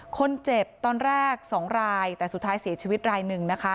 คนเจ็บตอนแรก๒รายแต่สุดท้ายเสียชีวิตรายหนึ่งนะคะ